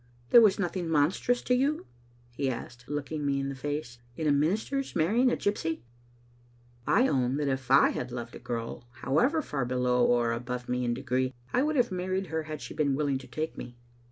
"There was nothing monstrous to you," he asked, looking me in the face, " in a minister's marrying a gypsy?" I own that if I had loved a girl, however far below or above me in degree, I would have married her had she been willing to take me.